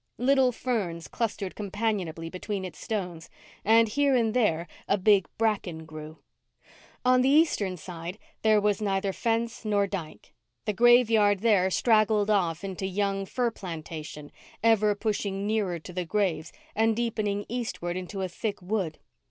Little ferns clustered companionably between its stones, and here and there a big bracken grew. On the eastern side there was neither fence nor dyke. The graveyard there straggled off into a young fir plantation, ever pushing nearer to the graves and deepening eastward into a thick wood.